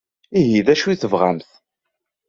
Ihi d acu i tebɣamt?